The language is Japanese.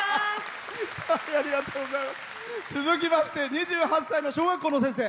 続きまして２８歳の小学校の先生。